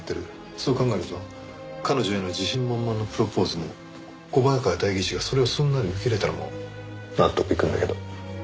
そう考えると彼女への自信満々のプロポーズも小早川代議士がそれをすんなり受け入れたのも納得いくんだけど。